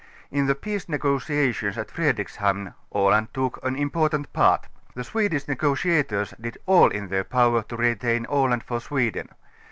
In the peace negotiations at Fredrikshamn Aland took an important part. The Swedish negotiators did all in their power to retain Aland for Sweden.